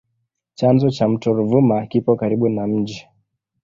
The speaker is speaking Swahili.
Chanzo cha mto Ruvuma kipo karibu na mji.